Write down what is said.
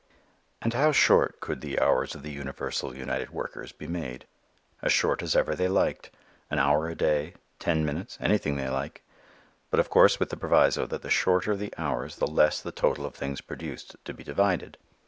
And how short could the hours of the universal united workers be made? As short as ever they liked: An hour a day: ten minutes, anything they like; but of course with the proviso that the shorter the hours the less the total of things produced to be divided.